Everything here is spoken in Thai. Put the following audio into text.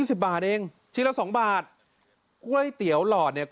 พี่โฟงสะทอนน้องชื่ออะไรอ่ะ